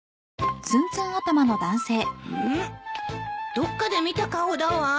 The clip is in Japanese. どっかで見た顔だわ。